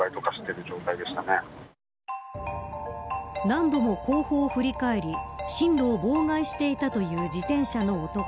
何度も後方を振り返り進路を妨害していたという自転車の男。